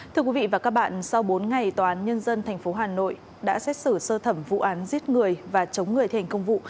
thưa quý vị và các bạn sau bốn ngày tòa án nhân dân tp hà nội đã xét xử sơ thẩm vụ án giết người và chống người thi hành công vụ